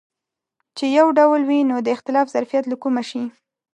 چې یو ډول وي نو د اختلاف ظرفیت له کومه شي.